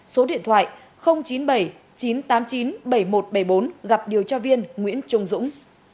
số điện thoại chín mươi bảy chín trăm tám mươi chín bảy nghìn một trăm bảy mươi bốn gặp điều tra viên nguyễn trung dũng